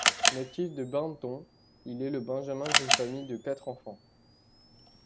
Natif de Barnton, il est le benjamin d'une famille de quatre enfants.